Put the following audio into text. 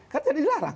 kan jadi dilarang